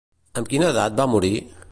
Amb quina edat va morir?